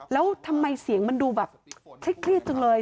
แล้วทำไมเสียงมันดูแบบใช้เครียดจังเลย